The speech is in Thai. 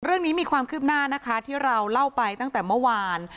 เรื่องนี้มีความคืบหน้านะคะที่เราเล่าไปตั้งแต่เมื่อวาน